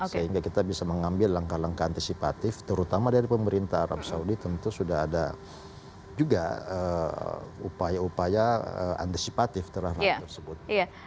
sehingga kita bisa mengambil langkah langkah antisipatif terutama dari pemerintah arab saudi tentu sudah ada juga upaya upaya antisipatif terhadap tersebut